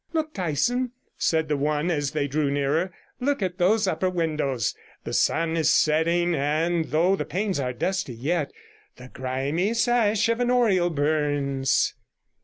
'Look, Dyson,' said the one, as they drew nearer; 'look at those upper windows; the sun is setting, and, though the panes are dusty, yet The grimy sash an oriel burns.'